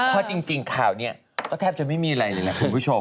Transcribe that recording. เพราะจริงข่าวนี้ก็แทบจะไม่มีอะไรเลยนะคุณผู้ชม